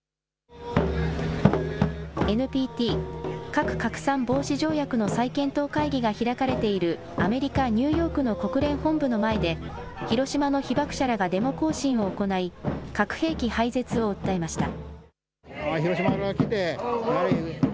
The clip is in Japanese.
ＮＰＴ・核拡散防止条約の再検討会議が開かれているアメリカ・ニューヨークの国連本部の前で、広島の被爆者らがデモ行進を行い、核兵器廃絶を訴えました。